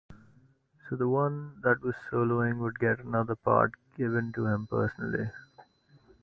So the one that was soloing would get another part given to him personally.